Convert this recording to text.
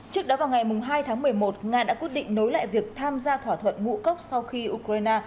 trước đó vào ngày hai tháng một mươi một nga đã quyết định nối lại việc tham gia thỏa thuận ngũ cốc sau khi ukraine